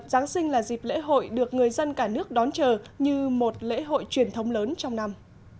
giáng sinh là dịp lễ hội được người dân cả nước đón chờ như một lễ hội truyền thống lớn trong năm